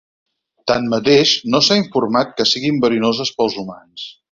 Tanmateix no s'ha informat que siguin verinoses pels humans.